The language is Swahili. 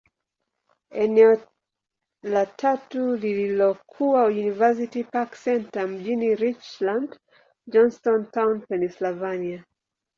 Eneo la tatu lililokuwa University Park Centre, mjini Richland, Johnstown, Pennyslvania.